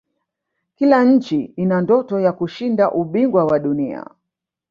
kila nchi ina ndoto ya kushinda ubingwa wa dunia